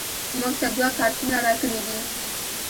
موږ ته دوه کارتونه راکړیدي